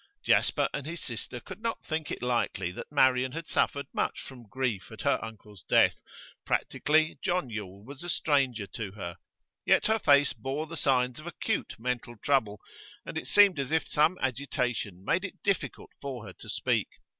Jasper and his sister could not think it likely that Marian had suffered much from grief at her uncle's death; practically John Yule was a stranger to her. Yet her face bore the signs of acute mental trouble, and it seemed as if some agitation made it difficult for her to speak.